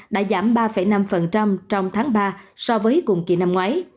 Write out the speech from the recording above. đã giảm ba năm trong tháng ba so với cùng kỳ năm ngoái